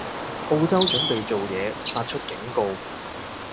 澳洲準備做嘢，發出警告